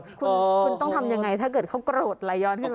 คุณต้องทำยังไงถ้าเกิดเขาโกรธไหลย้อนขึ้นมา